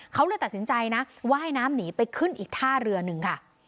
เขาเลยตัดสินใจนะว่ายน้ำหนีไปขึ้นอีกท่าเรือหนึ่งค่ะ